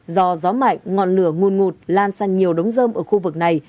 do gió mạnh ngọn lửa nguồn ngụt lan sang nhiều đống dơm ở khu vực này